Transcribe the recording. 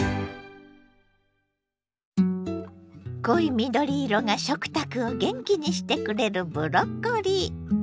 濃い緑色が食卓を元気にしてくれるブロッコリー。